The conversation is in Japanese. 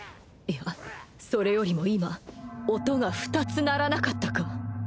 いやそれよりも今音が２つ鳴らなかったか？